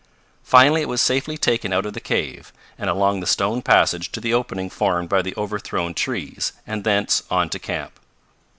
Finally it was safely taken out of the cave, and along the stone passage to the opening formed by the overthrown trees, and thence on to camp.